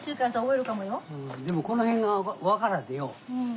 でもこの辺が分からんでよ。